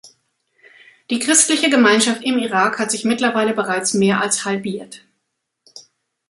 Die christliche Gemeinschaft im Irak hat sich mittlerweile bereits mehr als halbiert.